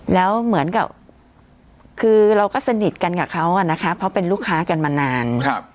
แล้วเหมือนกับคือเราก็สนิทกันกับเขาอะนะคะเพราะเป็นลูกค้ากันมานาน